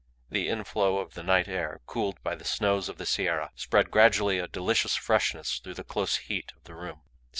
The inflow of the night air, cooled by the snows of the Sierra, spread gradually a delicious freshness through the close heat of the room.